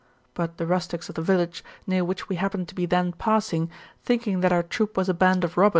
But the rustics of the village, near which we happened to be then passing, thinking that our troop was a band of r9bbers.